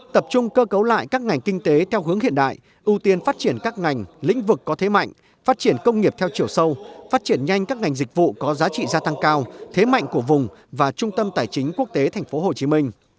tập trung cơ cấu lại các ngành kinh tế theo hướng hiện đại ưu tiên phát triển các ngành lĩnh vực có thế mạnh phát triển công nghiệp theo chiều sâu phát triển nhanh các ngành dịch vụ có giá trị gia tăng cao thế mạnh của vùng và trung tâm tài chính quốc tế tp hcm